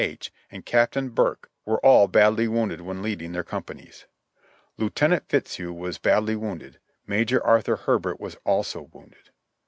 H, and Captain Burke were all badly wounded when leading their companies. Lieutenant Fitzhugh was badly THE BATTLE OF SEVEN PINES I4I wounded, Major Arthur Herbert was also wounded."